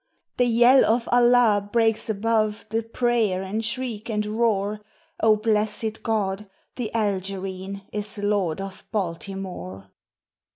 The yell of "Allah!" breaks above the prayer and shriek and roar O blessèd God! the Algerine is lord of Baltimore!